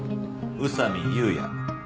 宇佐見裕也。